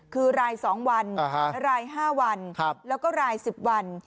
คือรายสองวันรายห้าวันแล้วก็รายสิบวัน